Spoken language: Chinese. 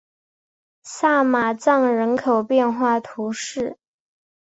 萨马藏人口变化图示